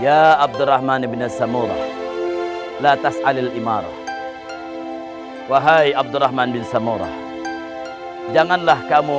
ya abdurrahman bin samurah latas alil imarah hai wahai abdurrahman bin samurah janganlah kamu